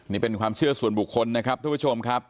นี่เป็นความเชื่อส่วนบุคคลนะครับทุกผู้ชมครับ